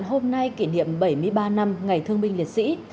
hôm nay kỷ niệm bảy mươi ba năm ngày thương binh liệt sĩ